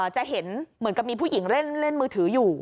จะเห็นเหมือนกับมีผู้หญิงเล่นมือถืออยู่